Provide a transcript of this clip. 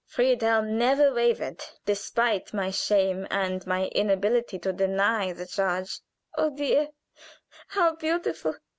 Friedhelm never wavered, despite my shame and my inability to deny the charge." "Oh, dear, how beautiful!"